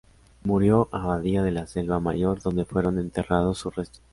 Murió a Abadía de la Selva Mayor, donde fueron enterrados sus restos.